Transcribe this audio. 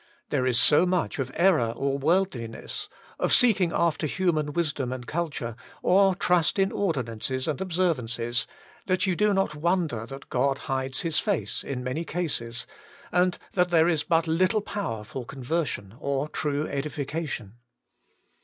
There is so much of error or worldliness, of seeking after human wisdom and culture, or trust in ordinances and observ ances, that you do not wonder that God hides His face, in many cases, and that there is but little power for conversion or true edification.